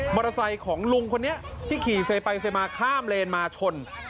มอเตอร์ไซค์ของลุงคนนี้ที่ขี่ไปมาข้ามเลนมาชน